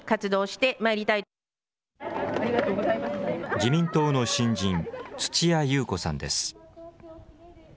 自民党の新人、土屋ゆう子さんです。